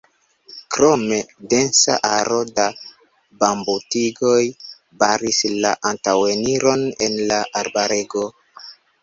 Krome densa aro da bambutigoj baris la antaŭeniron en la arbarego.